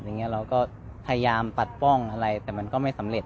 เราก็พยายามปัดป้องอะไรแต่มันก็ไม่สำเร็จ